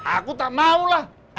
aku tak maulah